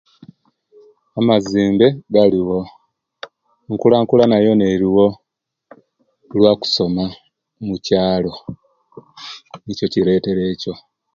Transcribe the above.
Amazibe galiwo enkulankulana yona eriwo kuluwa kusoma mukyaalo nikyo ekiretere ekyo